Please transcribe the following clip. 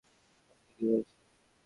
ও ঠিকই বলেছে!